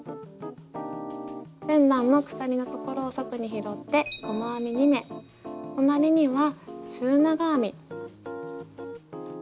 前段の鎖のところを束に拾って細編み２目隣には中長編み。